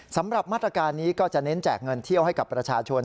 สำหรับมาตรการนี้ก็จะเน้นแจกเงินเที่ยวให้กับประชาชน